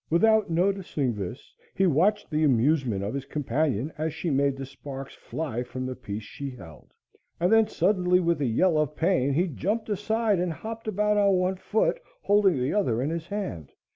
Without noticing this, he watched the amusement of his companion as she made the sparks fly from the piece she held, and then, suddenly, with a yell of pain, he jumped aside and hopped about on one foot, holding the other in his hand.